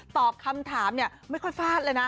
ตอบคำถามเนี่ยไม่ค่อยฟาดเลยนะ